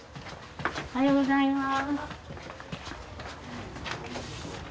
おはようございます。